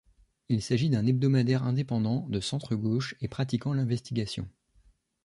Il s'agit d'un hebdomadaire indépendant, de centre-gauche et pratiquant l'investigation.